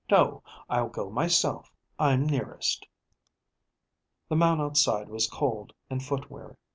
"No, I'll go myself; I'm nearest." The man outside was cold and foot weary.